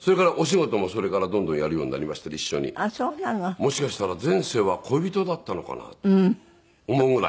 もしかしたら前世は恋人だったのかなと思うぐらい。